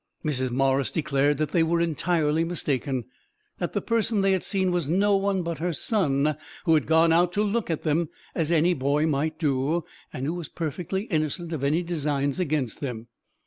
Mrs. Morris declared that they were entirely mistaken; that the person they had seen was no one but her son, who had gone out to look at them as any boy might do, and who was perfectly innocent of any designs against them.